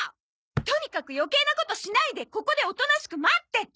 とにかく余計なことしないでここでおとなしく待ってて！